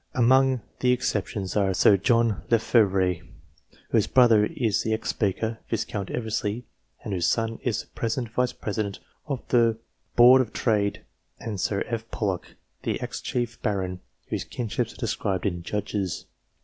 Among these exceptions are Sir John Lefevre, whose brother is the ex Speaker, Viscount Eversley, and whose son is the present Vice President of the Board of Trade ; and Sir F. Pollock, the ex Chief Baron, whose kinships are described in " JUDGES."